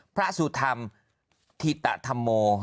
พระสุธรรมธิตธรรมโม